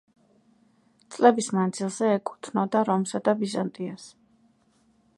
წლების მანძილზე ეკუთვნოდა რომსა და ბიზანტიას.